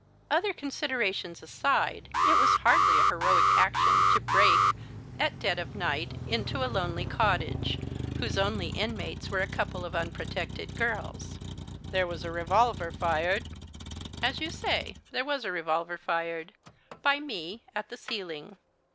"Other considerations aside, it was hardly a heroic action to break, at dead of night, into a lonely cottage, whose only inmates were a couple of unprotected girls." "There was a revolver fired." "As you say, there was a revolver fired by me, at the ceiling.